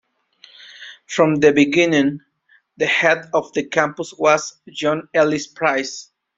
From the beginning, the head of the campus was John Ellis Price.